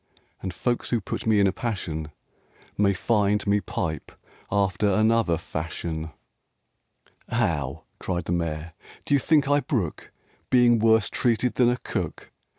And folks who put me in a passion May find me pipe after another fashion." 117 RAINBOW GOLD XI "How?" cried the Mayor, "d'ye think I brook Being worse treated than a Cook?